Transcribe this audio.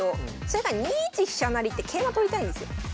それが２一飛車成って桂馬取りたいんですよ。